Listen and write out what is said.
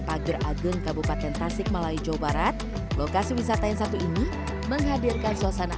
pager ageng kabupaten tasik malaya jawa barat lokasi wisata yang satu ini menghadirkan suasana